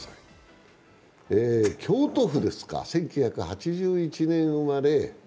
京都府ですか、１９８１年生まれ。